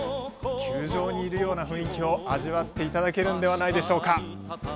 球場にいるような雰囲気を味わっていただけるんではないでしょうか。